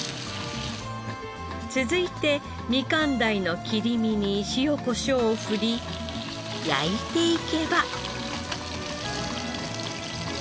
続いてみかん鯛の切り身に塩コショウを振り焼いていけば。